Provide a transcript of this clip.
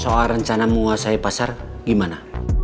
soal rencana menguasai pasar gimana